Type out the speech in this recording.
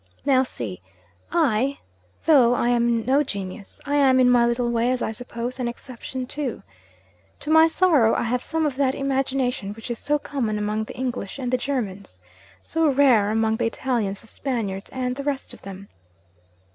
Now see! I, though I am no genius I am, in my little way (as I suppose), an exception too. To my sorrow, I have some of that imagination which is so common among the English and the Germans so rare among the Italians, the Spaniards, and the rest of them!